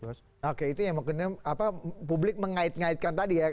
oke itu yang mungkin publik mengait ngaitkan tadi ya